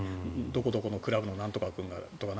どこどこのクラブのなんとか君がとか。